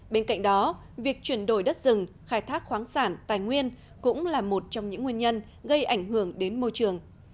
bên cạnh đó việc chuyển đổi đất rừng khai thác khoáng sản tài nguyên cũng là một trong những nguyên nhân gây ảnh hưởng đến môi trường